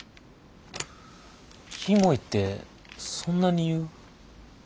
キモいってそんなに言う？